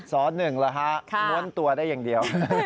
สอนหนึ่งเหรอคะม้วนตัวได้อย่างเดียว